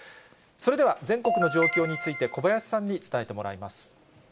それでは全国の状況について、小林さんに伝えてもらいます。